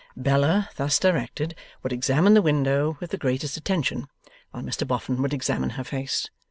Bella, thus directed, would examine the window with the greatest attention, while Mr Boffin would examine her face.